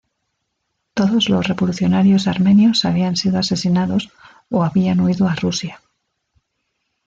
Todos los revolucionarios armenios habían sido asesinados o habían huido a Rusia.